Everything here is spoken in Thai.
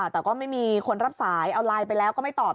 แต่ก็ไม่มีคนรับสายเอาไลน์ไปแล้วก็ไม่ตอบ